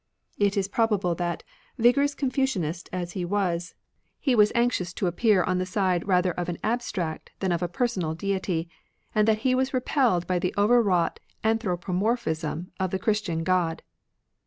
It is probable that, vigorous Confucianist as he was, he was anxious to appear 17 B RELIGIONS OF ANCIENT CHINA on the side rather of an abstract than of a personal Deity, and that he was repelled by the over wrought anthropomorphism of the Christian God.